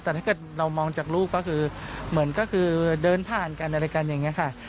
แต่ถ้าเกิดเรามองจากลูกก็คือเหมือนก็คือเดินผ่านกันอะไรกันอย่างนี้ค่ะ